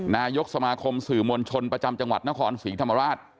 นายกสมาคมสื่อมวลชนประจำจังหวัดนครศรีธรรมราช